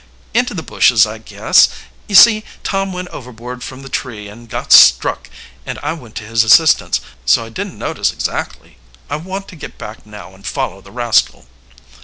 "Into the bushes, I guess. You see, Tom went overboard from the tree and got struck, and I went to his assistance, so I didn't notice exactly. I want to get back now and follow the rascal."